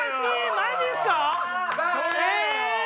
マジっすか？